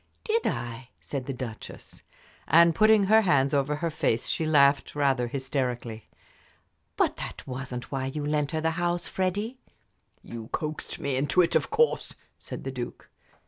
"Did I?" said the Duchess. And putting her hands over her face she laughed rather hysterically. "But that wasn't why you lent her the house, Freddie." "You coaxed me into it, of course," said the Duke.